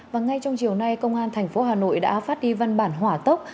và ngay trong chiều nay công an thành phố hà nội đã phát đi văn bản hỏa tốc